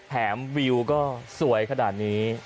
วิวก็สวยขนาดนี้